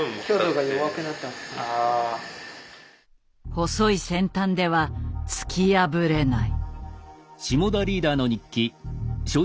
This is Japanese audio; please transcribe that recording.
細い先端では突き破れない。